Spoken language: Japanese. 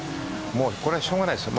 もうこれはしょうがないですよ。